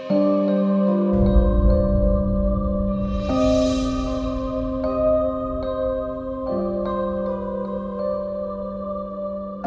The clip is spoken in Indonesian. ada di jawa